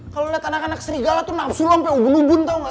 kalo lu liat anak anak serigala tuh nafsu lu sampe ubun ubun tau gak